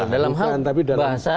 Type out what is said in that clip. dalam hal bahasa